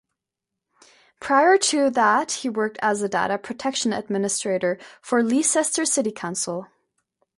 Prior to that he worked as a data protection administrator for Leicester City Council.